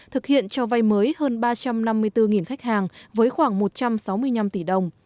thực hiện cho vay mới hơn ba trăm năm mươi bốn khách hàng với khoảng một trăm sáu mươi năm tỷ đồng